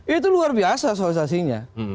itu luar biasa sosialisasinya